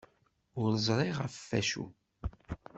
Ur ẓriɣ ɣef acu.